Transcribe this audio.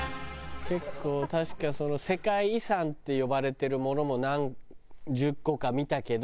結構確かその世界遺産って呼ばれてるものも何十個か見たけど。